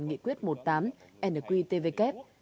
nghị quyết một tám nqtvk